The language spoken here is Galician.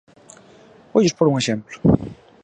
Voulles pór un exemplo.